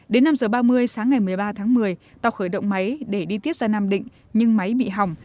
đến năm h ba mươi sáng ngày một mươi ba tháng một mươi tàu khởi động máy để đi tiếp ra nam định nhưng máy bị hỏng